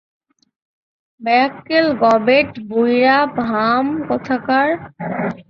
বেয়াক্কেল গবেট বুইড়া ভাম কোথাকার!